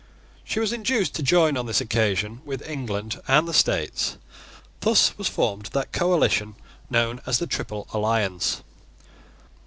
She was induced to join on this occasion with England and the States. Thus was formed that coalition known as the Triple Alliance.